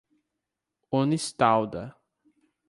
Unistalda